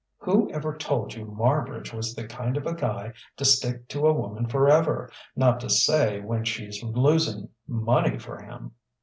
Who ever told you Marbridge was the kind of a guy to stick to a woman forever not to say when she's losing money for him?